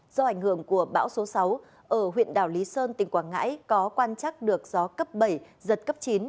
do ảnh hưởng của bão số sáu ở huyện đảo lý sơn tỉnh quảng ngãi có quan trắc được gió cấp bảy giật cấp chín